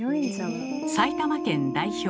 埼玉県代表